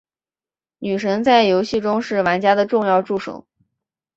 女神在游戏中是玩家的重要助手。